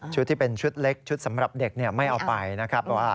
ที่เป็นชุดเล็กชุดสำหรับเด็กไม่เอาไปนะครับ